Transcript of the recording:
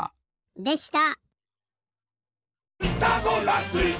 でした！